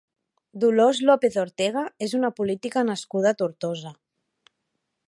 Dolors López Ortega és una política nascuda a Tortosa.